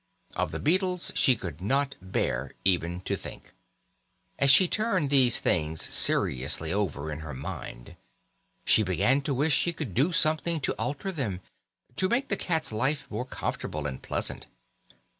Of the beetles she could not bear even to think. As she turned these things seriously over in her mind she began to wish she could do something to alter them, to make the cat's life more comfortable and pleasant.